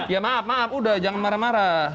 ya maaf maaf udah jangan marah marah